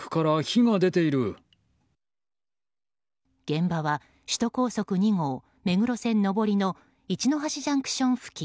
現場は首都高速２号目黒線上りの一ノ橋ＪＣＴ付近。